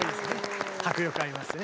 迫力ありますね。